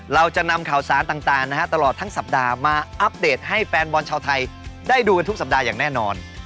เราจะนำข่าวสารต่างตลอดทั้งสัปดาห์มาอัปเดตให้แฟนบอลชาวไทยได้ดูกันทุกสัปดาห์อย่างแน่นอน